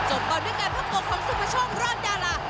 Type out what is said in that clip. จบบอลด้วยการพักปกของซุภช่องรอดยารา